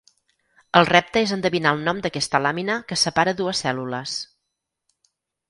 El repte és endevinar el nom d'aquesta làmina que separa dues cèl·lules.